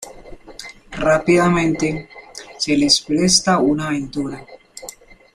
Rápidamente, se les presta una aventura.